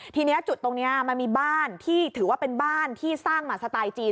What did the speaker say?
ทีนี้จุดตรงนี้มันมีบ้านที่ถือว่าเป็นบ้านที่สร้างมาสไตล์จีน